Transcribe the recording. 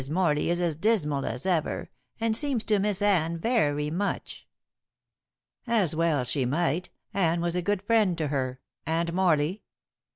Morley is as dismal as ever, and seems to miss Anne very much." "As well she might. Anne was a good friend to her. And Morley?"